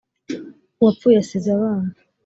uwapfuye asize abana.